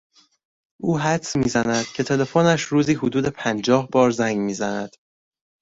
او حدس میزند که تلفنش روزی حدود پنجاه بار زنگ میزند.